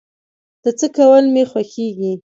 د څه کول مې خوښيږي؟